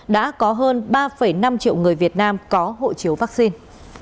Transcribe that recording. đã có hơn ba năm triệu người việt nam có hộ chiếu vaccine